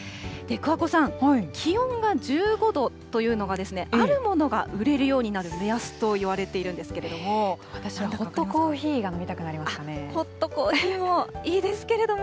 桑子さん、気温が１５度というのが、あるものが売れるようになる目安といわれているんですけれど私はホットコーヒーが飲みたホットコーヒーもいいですけれども。